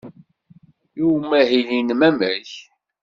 I umahil-nnem, amek?